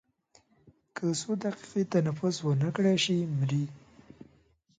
که څو دقیقې تنفس ونه کړای شي مري.